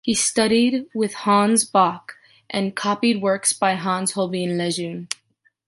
He studied with Hans Bock and copied works by Hans Holbein le Jeune.